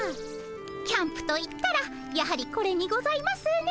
キャンプと言ったらやはりこれにございますね。